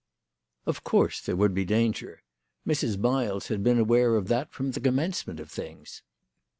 OF course there would be danger. Mrs. Miles had been aware of that from the commencement of things.